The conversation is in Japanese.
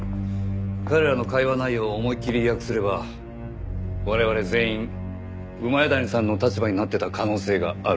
彼らの会話内容を思いっきり意訳すれば我々全員谷さんの立場になってた可能性がある。